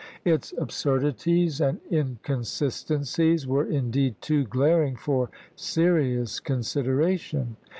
Its absurdities and inconsistencies were, indeed, too glaring for serious consideration.